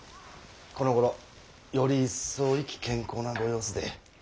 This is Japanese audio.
このごろより一層意気軒昂なご様子で。